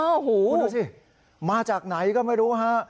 โอ้โหดูสิมาจากไหนก็ไม่รู้ฮะ